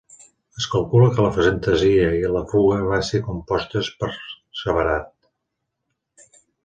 Es calcula que la fantasia i la fuga van ser compostes per separat.